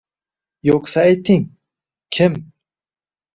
Yo’qsa ayting, kim?